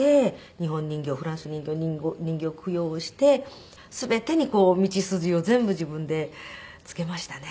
日本人形フランス人形人形供養をして全てに道筋を全部自分でつけましたね。